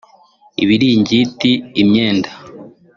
ibiringiti imyenda